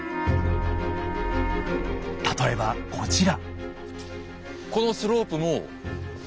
例えばこちら。